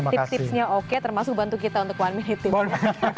tips tipsnya oke termasuk bantu kita untuk one minute juga